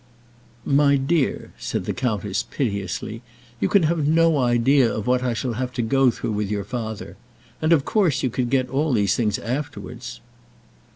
"My dear," said the countess, piteously, "you can have no idea of what I shall have to go through with your father. And, of course, you could get all these things afterwards."